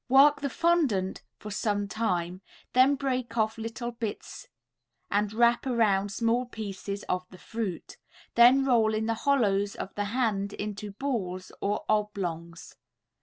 Work the fondant for some time, then break off little bits and wrap around small pieces of the fruit, then roll in the hollow of the hand into balls or oblongs.